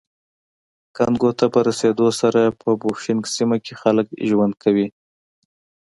کانګو ته په رسېدو سره په بوشونګ سیمه کې خلک ژوند کوي